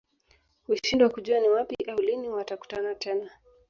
Hushindwa kujua ni wapi au lini watakutana tena